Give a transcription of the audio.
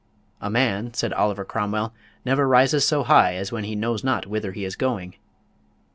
"A man," said Oliver Cromwell, "never rises so high as when he knows not whither he is going."